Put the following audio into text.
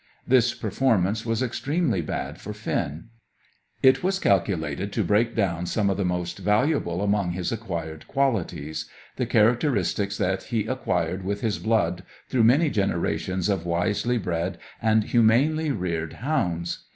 This performance was extremely bad for Finn. It was calculated to break down some of the most valuable among his acquired qualities; the characteristics that he acquired with his blood through many generations of wisely bred and humanely reared hounds.